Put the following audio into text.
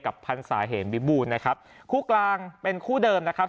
กับพันธุ์สาเหนบิบูนนะครับคู่กลางเป็นคู่เดิมนะครับ